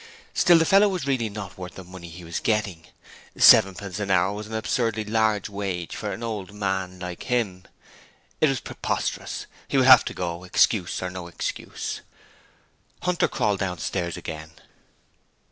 Still, the fellow was really not worth the money he was getting. Sevenpence an hour was an absurdly large wage for an old man like him. It was preposterous: he would have to go, excuse or no excuse. Hunter crawled downstairs again.